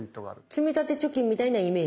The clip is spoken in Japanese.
積立貯金みたいなイメージ。